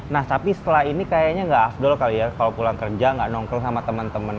nah tapi setelah ini kayaknya nggak afdol kali ya kalau pulang kerja nggak nongkrong sama teman teman